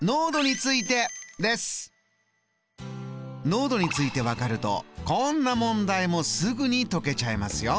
濃度について分かるとこんな問題もすぐに解けちゃいますよ。